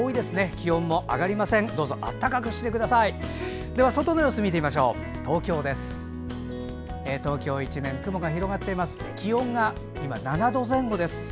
気温が今、７度前後です。